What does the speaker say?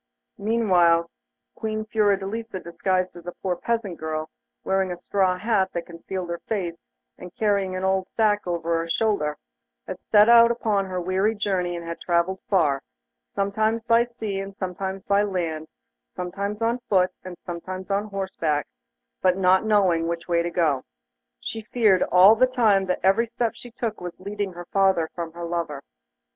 Meanwhile, Queen Fiordelisa, disguised as a poor peasant girl, wearing a great straw hat that concealed her face, and carrying an old sack over her shoulder, had set out upon her weary journey, and had travelled far, sometimes by sea and sometimes by land; sometimes on foot, and sometimes on horseback, but not knowing which way to go. She feared all the time that every step she took was leading her farther from her lover.